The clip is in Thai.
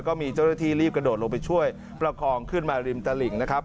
ก็มีเจ้าหน้าที่รีบกระโดดลงไปช่วยประคองขึ้นมาริมตลิ่งนะครับ